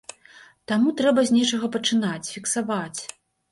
Таму трэба з нечага пачынаць, фіксаваць.